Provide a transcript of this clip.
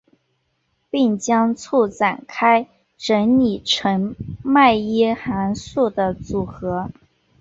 并将簇展开整理成迈耶函数的组合。